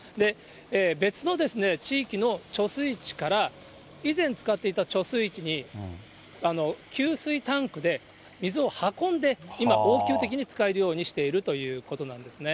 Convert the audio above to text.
別の地域の貯水池から、以前使っていた貯水池に給水タンクで水を運んで、今、応急的に使えるようにしているということなんですね。